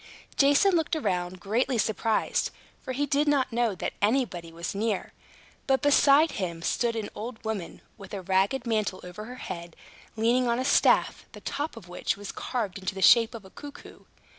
Jason looked round greatly surprised, for he did not know that anybody was near. But beside him stood an old woman, with a ragged mantle over her head, leaning on a staff, the top of which was carved into the shape of a cuckoo.